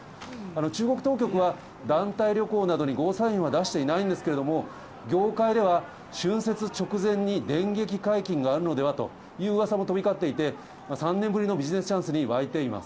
中国当局は、団体旅行などにゴーサインを出していないんですけれども、業界では春節直前に電撃解禁があるのではといううわさも飛び交っていて、３年ぶりのビジネスチャンスに沸いています。